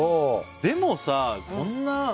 でもさ、こんな。